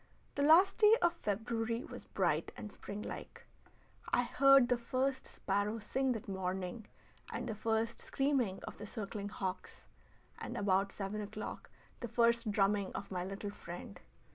The last day of February was bright and springlike. I heard the first sparrow sing that morning and the first screaming of the circling hawks, and about seven o'clock the first drumming of my little friend.